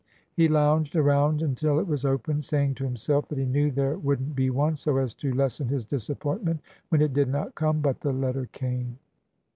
He lounged around until it was opened, saying to him self that he knew there would n't be one — so as to lessen his disappointment when it did not come. But the letter came.